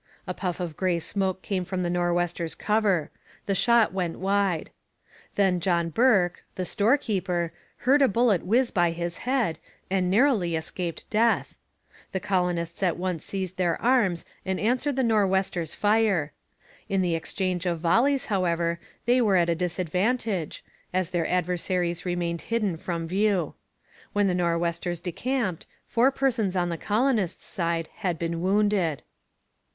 A puff of grey smoke came from the Nor'westers' cover. The shot went wide. Then John Bourke, the store keeper, heard a bullet whiz by his head, and narrowly escaped death. The colonists at once seized their arms and answered the Nor'westers' fire. In the exchange of volleys, however, they were at a disadvantage, as their adversaries remained hidden from view. When the Nor'westers decamped, four persons on the colonists' side had been wounded.